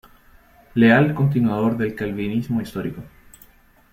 Leal continuador del calvinismo histórico.